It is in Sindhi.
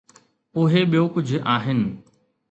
اهي ٻيو ڪجهه آهن.